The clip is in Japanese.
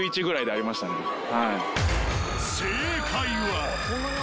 正解は？